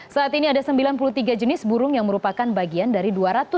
saat ini ada sembilan puluh tiga jenis burung yang merupakan bagian dari dua ratus